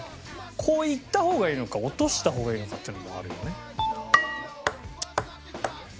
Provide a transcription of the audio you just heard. こういった方がいいのか落とした方がいいのかっていうのもあるよね。